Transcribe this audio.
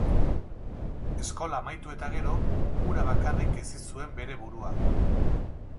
Eskola amaitu eta gero, hura bakarrik hezi zuen bere burua.